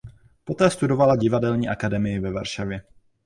Poté studovala Divadelní akademii ve Varšavě.